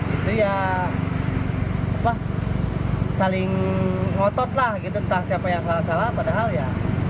itu ya saling ngotot lah gitu entah siapa yang salah salah padahal ya